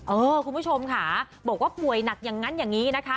คุณผู้ชมค่ะบอกว่าป่วยหนักอย่างนั้นอย่างนี้นะคะ